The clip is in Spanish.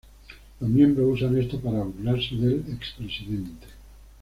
Los miembros usan esto para burlarse del expresidente.